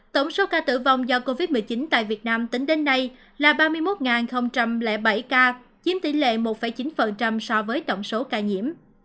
tổng số ca tử vong do covid một mươi chín tại việt nam tính đến nay là ba mươi một bảy ca chiếm tỷ lệ một chín so với tổng số ca nhiễm